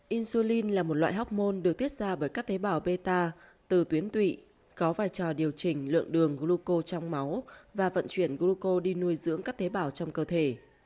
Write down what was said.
insulin là một loại hormone được tiết ra bởi các thế bảo beta từ tuyến tụy có vai trò điều chỉnh lượng đường gluco trong máu và vận chuyển gluco đi nuôi dưỡng các thế bảo trong cơ thể